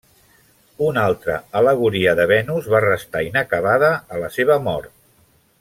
Una altra al·legoria de Venus va restar inacabada a la seva mort.